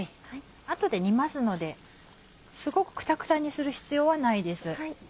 あとで煮ますのですごくクタクタにする必要はないです。